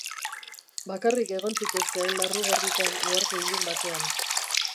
Bakarrik egon zitezkeen larrugorritan uharte ilun batean.